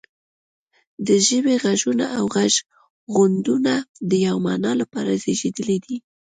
د ژبې غږونه او غږغونډونه د یوې معنا لپاره زیږیدلي دي